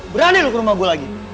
berani lu ke rumah gue lagi